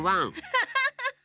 ハッハハハ！